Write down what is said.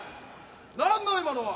何だ今のは！